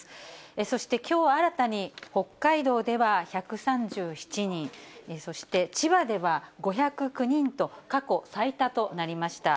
そしてきょう新たに北海道では１３７人、そして千葉では５０９人と、過去最多となりました。